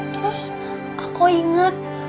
terus aku inget